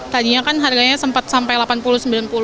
tadinya kan harganya sempat sampai rp delapan puluh sembilan puluh